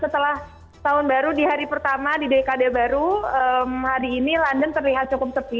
setelah tahun baru di hari pertama di dekade baru hari ini london terlihat cukup sepi